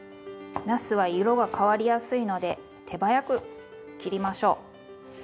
なすは色が変わりやすいので手早く切りましょう。